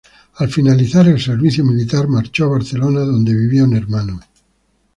Al finalizar el servicio militar marchó a Barcelona, donde vivía un hermano.